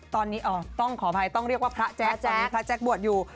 ตอนนี้อ่อต้องขออภัยต้องเรียกว่าพระแจ็คพระแจ็คบวชอยู่